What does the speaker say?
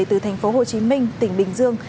từ thành phố hồ chí minh tỉnh bình dương